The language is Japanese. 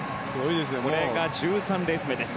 これが１３レース目です。